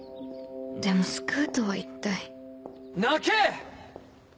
でも救うとは一体鳴け！